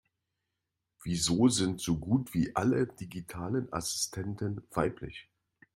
Wieso sind so gut wie alle digitalen Assistenten weiblich?